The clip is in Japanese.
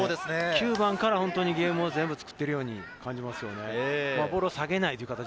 ９番からゲームを作っているように見えますよね。